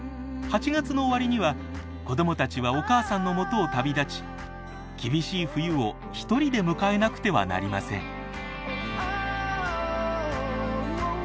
８月の終わりには子どもたちはお母さんのもとを旅立ち厳しい冬を独りで迎えなくてはなりません。